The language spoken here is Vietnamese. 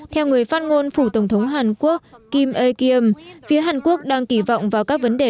theo người phát ngôn phủ tổng thống hàn quốc kim a kiyum phía hàn quốc đang kỳ vọng vào các vấn đề